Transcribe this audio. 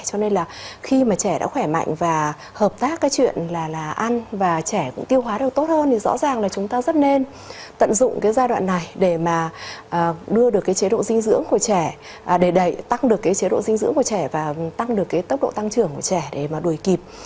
cho nên là khi mà trẻ đã khỏe mạnh và hợp tác cái chuyện là ăn và trẻ cũng tiêu hóa được tốt hơn thì rõ ràng là chúng ta rất nên tận dụng cái giai đoạn này để mà đưa được cái chế độ dinh dưỡng của trẻ để tăng được cái chế độ dinh dưỡng của trẻ và tăng được cái tốc độ tăng trưởng của trẻ để mà đuổi kịp